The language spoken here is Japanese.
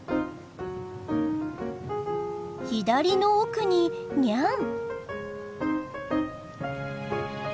左の奥にニャン。